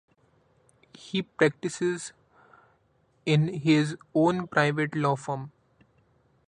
He practices in his own private law firm.